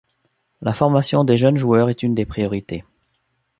La formation des jeunes joueurs est une des priorités.